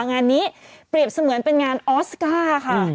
งานนี้เปรียบเสมือนเป็นงานออสการ์ค่ะ